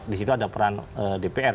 di situ ada peran dpr